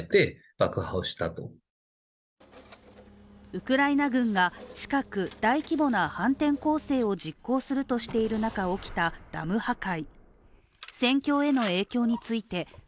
ウクライナ軍が近く大規模な反転攻勢を実行するとしている中、起きたダム破壊。